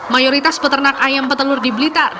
mayoritas peternak ayam petelur di blitar